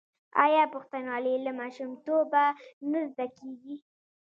آیا پښتونولي له ماشومتوبه نه زده کیږي؟